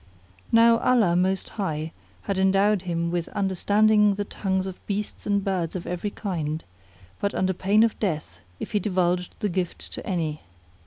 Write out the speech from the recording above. Now Allah Most High had endowed him with understanding the tongues of beasts and birds of every kind, but under pain of death if he divulged the gift to any.